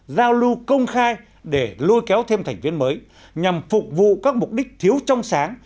giao lưu công khai để lôi kéo thêm thành viên mới nhằm phục vụ các mục đích thiếu trong sáng